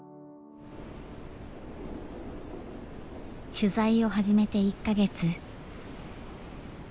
取材を始めて１か月。